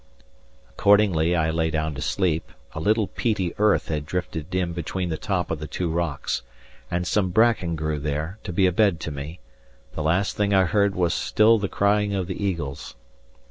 Accordingly, I lay down to sleep; a little peaty earth had drifted in between the top of the two rocks, and some bracken grew there, to be a bed to me; the last thing I heard was still the crying of the eagles.